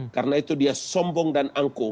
karena itu dia sombong dan angkuh